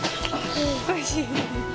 ・おいしい。